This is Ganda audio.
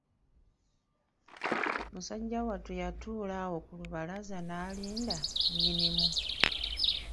Musajja wattu yatuula awo ku lubalaza n'alinda nnyinimu.